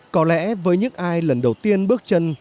có lẽ với những ai lần đầu tiên bước chân